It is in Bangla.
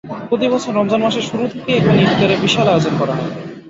প্রতিবছর রমজান মাসের শুরু থেকেই এখানে ইফতারের বিশাল আয়োজন করা হয়।